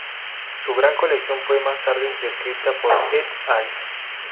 Su gran colección fue más tarde descripta por et al.